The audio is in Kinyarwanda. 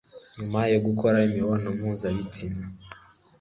Nyuma yo gukora imibonanompuzabitsina,